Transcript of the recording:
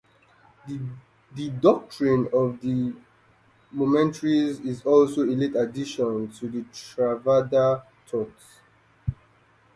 The doctrine of momentariness is also a late addition to Theravada thought.